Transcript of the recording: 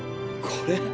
これ！？